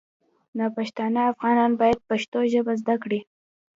ناپښتانه افغانان باید پښتو ژبه زده کړي